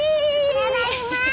ただいま！